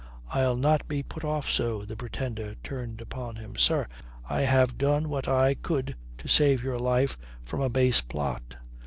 "I'll not be put off so." The Pretender turned upon him. "Sir, I have done what I could to save your life from a base plot.